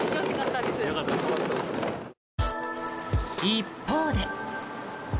一方で。